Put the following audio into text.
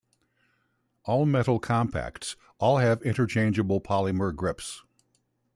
All metal Compacts all have interchangeable polymer grips.